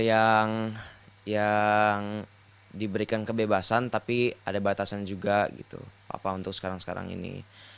yang diberikan kebebasan tapi ada batasan juga papa untuk sekarang sekarang ini